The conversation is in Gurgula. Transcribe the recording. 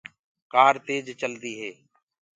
ڪآر تيج چلدي هي۔